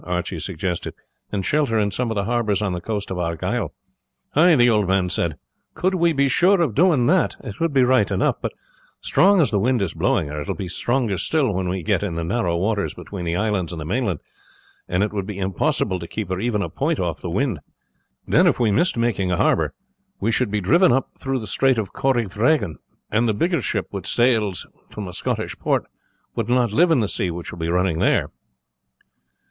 Archie suggested; "and shelter in some of the harbours on the coast of Argyle?" "Ay," the old man said; "could we be sure of doing that it would be right enough, but, strong as the wind is blowing her, it will be stronger still when we get in the narrow waters between the islands and the mainland, and it would be impossible to keep her even a point off the wind; then if we missed making a harbour we should be driven up through the Strait of Corrievrekan, and the biggest ship which sails from a Scottish port would not live in the sea which will be running there.